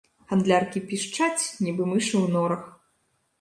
Гандляркі пішчаць, нібы мышы ў норах.